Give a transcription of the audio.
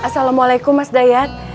assalamualaikum mas dayat